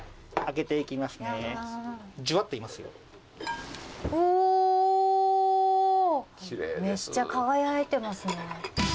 めっちゃ輝いてますね。